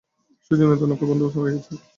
সেইজন্যই এত নৌকার বন্দোবস্ত হইয়াছে।